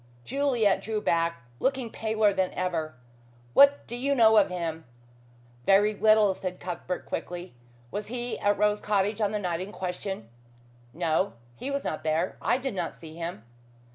Juliet drew back, looking paler than ever. "What do you know of him." "Very little," said Cuthbert quickly. "Was he at Rose Cottage on the night in question?" "No. He was not there. I did not see him."